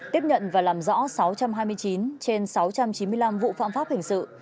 tiếp nhận và làm rõ sáu trăm hai mươi chín trên sáu trăm chín mươi năm vụ phạm pháp hình sự